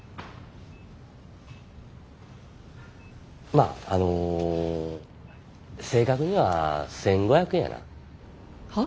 まああの正確には１，５００円やな。は？